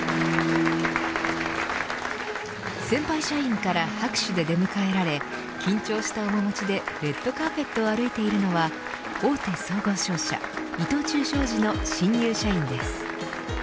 先輩社員から拍手で出迎えられ緊張した面もちでレッドカーペットを歩いているのは大手総合商社、伊藤忠商事の新入社員です。